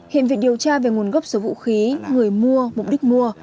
hiện việc điều tra về nguồn gốc số vũ khí người mua mục đích mua